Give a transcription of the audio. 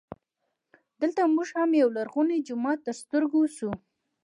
دلته مو هم یولرغونی جومات تر ستر ګو سو.